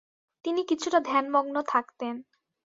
তিনি কিছুটা ধ্যানমগ্ন থাকতেন।